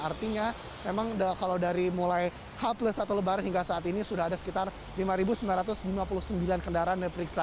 artinya memang kalau dari mulai h plus atau lebaran hingga saat ini sudah ada sekitar lima sembilan ratus lima puluh sembilan kendaraan yang diperiksa